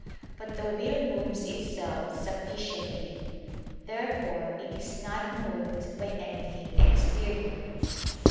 But the will moves itself sufficiently. Therefore it is not moved by anything exterior.